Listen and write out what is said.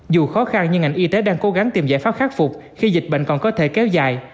dù khó khăn nhưng ngành y tế đang cố gắng tìm giải pháp khắc phục khi dịch bệnh còn có thể kéo dài